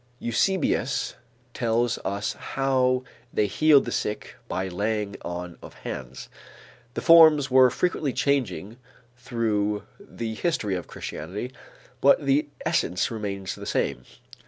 Eusebius tells us how they healed the sick by laying on of hands. The forms were frequently changing through the history of Christianity but the essence remains the same.